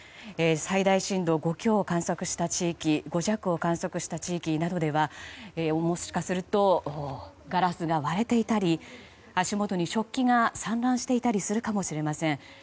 最大震度５強を観測した地域５弱を観測した地域などではもしかするとガラスが割れていたり足元に食器が散乱していたりするかもしれません。